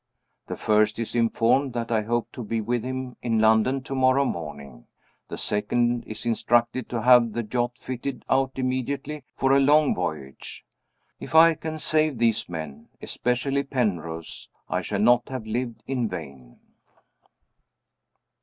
The first is informed that I hope to be with him, in London, to morrow morning. The second is instructed to have the yacht fitted out immediately for a long voyage. If I can save these men especially Penrose I shall not have lived in vain.